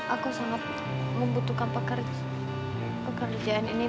aku sangat membutuhkan pekerjaan ini